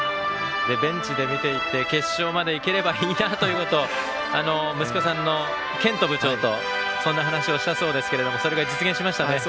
ベンチで見ていて、決勝まで行ければいいなということを息子さんの健人部長と話をしたそうですけどそれが実現しましたね。